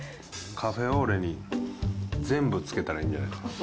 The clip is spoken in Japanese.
カフェオレに全部つけたらいいんじゃないですか。